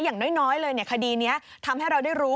อย่างน้อยเลยคดีนี้ทำให้เราได้รู้